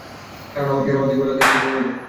কারণ আমার চেহারা অর্ধেক ভারতীয়র সাথে মিলে যায়।